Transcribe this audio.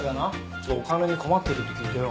ちょっとお金に困ってるって聞いてよ。